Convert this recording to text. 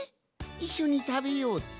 いっしょにたべようって？